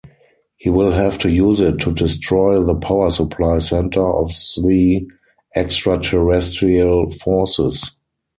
He will have to use it to destroy the power supply center of the extraterrestrial forces.